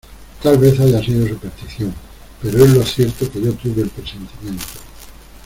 tal vez haya sido superstición, pero es lo cierto que yo tuve el presentimiento.